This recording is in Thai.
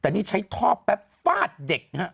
แต่นี่ใช้ท่อแป๊บฟาดเด็กนะฮะ